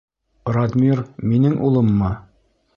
Радмир... минең улыммы?